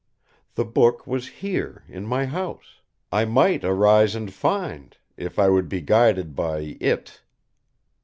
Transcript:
The book was here, in my house. I might arise and find if I would be guided by It